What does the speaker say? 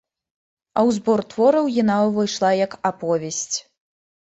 А ў збор твораў яна ўвайшла як аповесць.